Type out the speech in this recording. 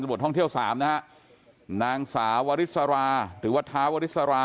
บทท่องเที่ยวสามนะฮะนางสาววริสราหรือว่าท้าวริสรา